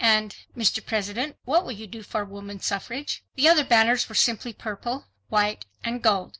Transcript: and "Mr. President, what will you do for woman suffrage?" The other banners were simply purple, white and gold.